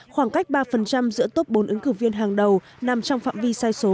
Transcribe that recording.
khoảng cách ba giữa top bốn ứng cử viên hàng đầu nằm trong phạm vi sai số